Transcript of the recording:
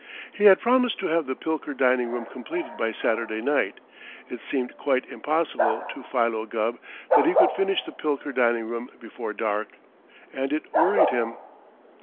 He had promised to have the Pilker dining room completed by Saturday night. It seemed quite impossible to Philo Gubb that he could finish the Pilker dining room before dark, and it worried him.